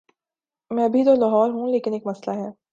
میں ابھی تو لاہور ہوں، لیکن ایک مسلہ ہے۔